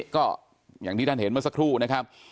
ก็อย่างที่ท่านเห็นเมื่อสักครู่นะครับ